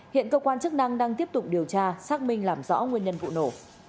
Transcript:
hiện cơ quan chức năng đang tiếp tục điều tra xác minh làm rõ nguyên nhân vụ nổ